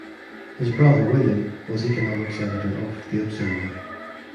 His brother, William, was economics editor of "The Observer".